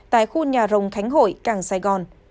tại khu nhà rồng khánh hội cảng sài gòn